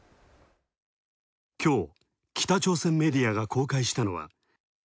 きょう、北朝鮮メディアが公開したのは。